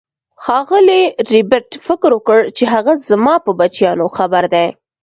ښاغلي ربیټ فکر وکړ چې هغه زما په بچیانو خبر دی